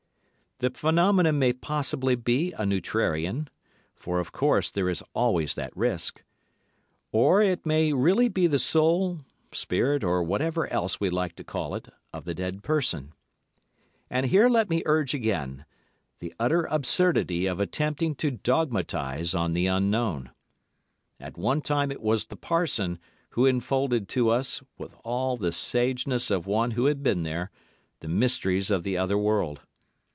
The phenomenon may possibly be a neutrarian—for, of course, there is always that risk—or it may really be the soul, spirit, or whatever else we like to call it, of the dead person. And here let me urge again, the utter absurdity of attempting to dogmatise on the Unknown. At one time it was the parson, who unfolded to us, with all the sageness of one who had been there, the mysteries of the other world.